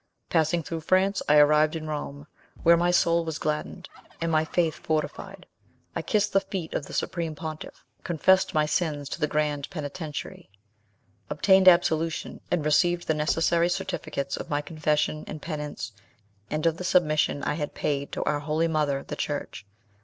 Passing through France, I arrived in Rome, where my soul was gladdened, and my faith fortified. I kissed the feet of the supreme pontiff, confessed my sins to the grand penitentiary, obtained absolution, and received the necessary certificates of my confession and penance, and of the submission I had paid to our holy mother, the church.